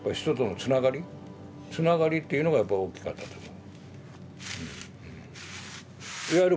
人とのつながりつながりっていうのがやっぱ大きかったと思う。